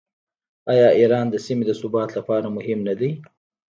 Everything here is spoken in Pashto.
آیا ایران د سیمې د ثبات لپاره مهم نه دی؟